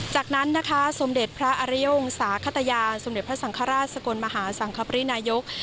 จากนั้นนะคะสมเด็จพระอริยวงศาขตยาสมเด็จพระสังฆราชสกลมหาสังคปรินายก